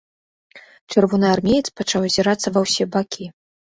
Чырвонаармеец пачаў азірацца ва ўсе бакі.